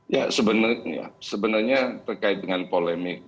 ya sebenarnya sebenarnya terkait dengan polemik